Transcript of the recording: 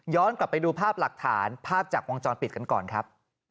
กลับไปดูภาพหลักฐานภาพจากวงจรปิดกันก่อนครับ